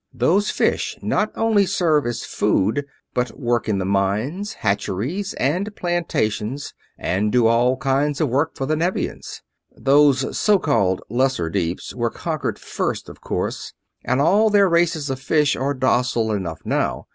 Those fish not only serve as food, but work in the mines, hatcheries, and plantations, and do all kinds of work for the Nevians. Those so called 'lesser deeps' were conquered first, of course, and all their races of fish are docile enough now.